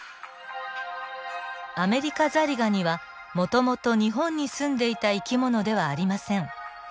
アメリカザリガニはもともと日本に住んでいた生き物ではありません。